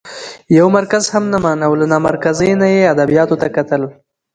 يو مرکز هم نه مانه او له نامرکزۍ نه يې ادبياتو ته کتل؛